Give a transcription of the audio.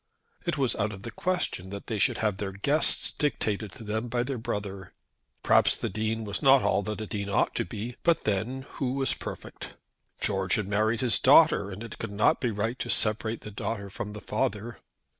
It was out of the question that they should have their guests dictated to them by their brother. Perhaps the Dean was not all that a dean ought to be, but then, who was perfect? George had married his daughter, and it could not be right to separate the daughter from the father.